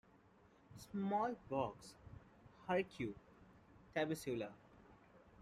Small boroughs: Harku, Tabasalu.